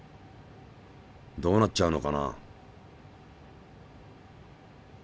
どうなっちゃうのかな？